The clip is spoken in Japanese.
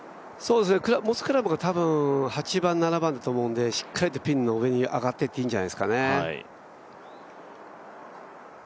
持つクラブが多分８番、７番だと思うのでしっかりとピンの上に上っていっていいんじゃないですかね。